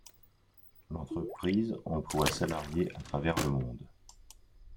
L'entreprise emploie salariés à travers le monde.